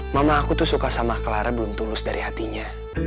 mama aku tuh suka sama clara belum tulus dari hatinya